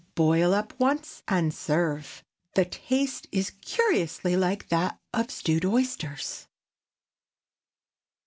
Boil up once, and serve. The taste is curiously like that of stewed oysters.